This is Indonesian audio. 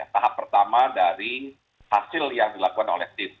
tahap pertama dari hasil yang dilakukan oleh tim